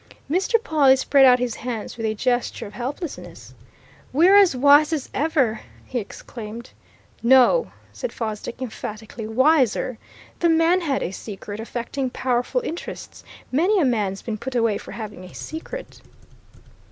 Mr. Pawle spread out his hands with a gesture of helplessness. "We're as wise as ever," he exclaimed. "No," said Fosdick emphatically, "wiser! The man had a secret, affecting powerful interests. Many a man's been put away for having a secret."